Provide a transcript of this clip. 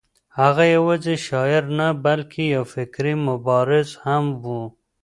هغه یوازې شاعر نه بلکې یو فرهنګي مبارز هم و.